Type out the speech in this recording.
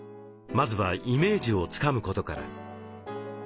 まずはイメージをつかむことから。